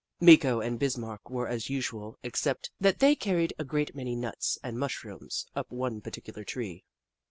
Meeko and Bismarck were as usual, except that they carried a great many nuts and mush rooms up one particular tree.